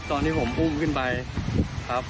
ตอนที่ผมอุ้มขึ้นไปครับ